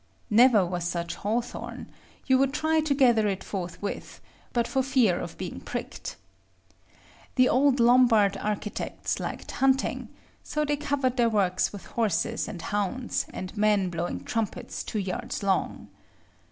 Never was such hawthorn; you would try to gather it forthwith, but for fear of being pricked. The old Lombard architects liked hunting; so they covered their work with horses and hounds, and men blowing trumpets two yards long.